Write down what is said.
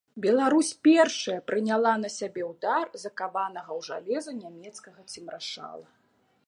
Беларусь першая прыняла на сябе ўдар закаванага ў жалеза нямецкага цемрашала.